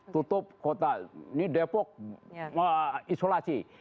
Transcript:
tutup kota ini depok isolasi